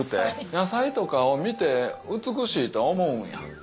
野菜とかを見て美しいと思うんや。